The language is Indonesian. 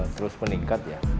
terus meningkat ya